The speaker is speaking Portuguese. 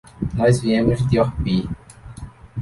Nós viemos de Orpí.